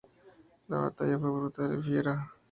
La batalla fue brutal y fiera.